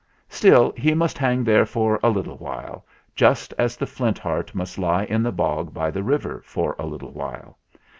Still he must hang there for a little while, just as the Flint Heart must lie in the bog by the river for a little while.